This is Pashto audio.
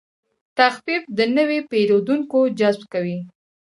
تخفیف د نوي پیرودونکو جذب کوي.